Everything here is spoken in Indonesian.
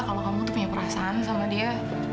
kalau kamu tuh punya perasaan sama dia